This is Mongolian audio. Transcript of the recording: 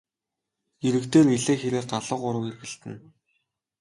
Эрэг дээр элээ хэрээ галуу гурав эргэлдэнэ.